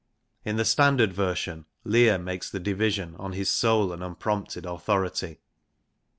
In the standard version Lear makes the division on his sole and unprompted authority.